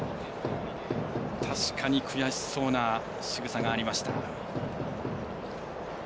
確かに悔しそうなしぐさがありました。